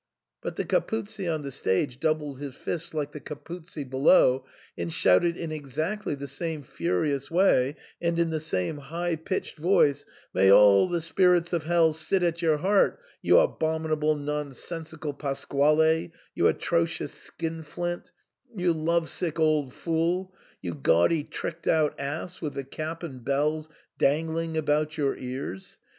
" But the Capuzzi on the stage doubled his fists like the Capuzzi below, and shouted in exactly the same furious way, and in the same high pitched voice, " May all the spirits of hell sit at your heart, you abominable non sensical Pasquale, you atrocious skinflint — ^you love sick old fool — you gaudy tricked out ass with the cap and bells dangling about your ears.